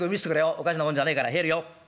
おかしなもんじゃねえから入るよ。